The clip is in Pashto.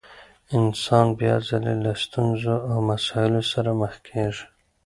انسان بيا ځلې له ستونزو او مسايلو سره مخ کېږي.